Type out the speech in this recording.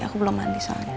aku belum mandi soalnya